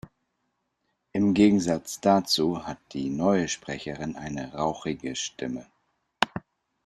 Im Gegensatz dazu hat die neue Sprecherin eine rauchige Stimme.